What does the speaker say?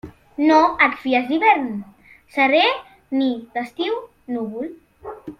No et fies d'hivern serè ni d'estiu núvol.